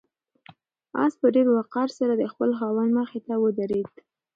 آس په ډېر وقار سره د خپل خاوند مخې ته ودرېد.